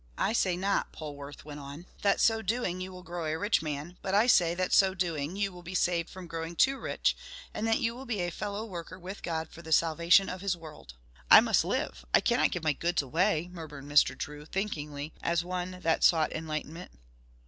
"I say not," Polwarth went on, "that so doing you will grow a rich man, but I say that so doing you will be saved from growing too rich, and that you will be a fellow worker with God for the salvation of his world." "I must live; I cannot give my goods away!" murmured Mr. Drew, thinkingly, as one that sought enlightenment.